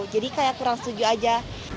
jadi kayak kurang setuju aja